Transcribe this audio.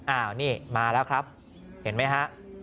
อ้าวนี่มาแล้วครับเห็นไหมฮะ